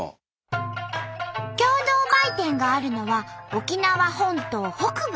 共同売店があるのは沖縄本島北部。